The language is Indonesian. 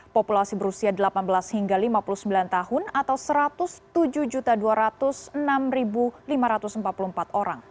populasi berusia delapan belas hingga lima puluh sembilan tahun atau satu ratus tujuh dua ratus enam lima ratus empat puluh empat orang